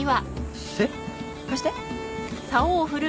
貸して。